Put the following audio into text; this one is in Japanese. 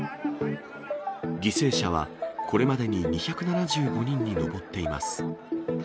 犠牲者はこれまでに２７５人に上っています。